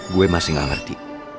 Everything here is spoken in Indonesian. gue masih gak ngerti